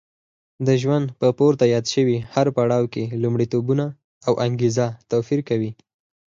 د ژوند په پورته یاد شوي هر پړاو کې لومړیتوبونه او انګېزه توپیر کوي.